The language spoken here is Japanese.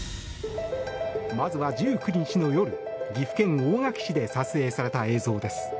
まずは１９日の夜岐阜県大垣市で撮影された映像です。